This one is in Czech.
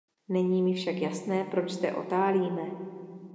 Není mi však jasné, proč zde otálíme.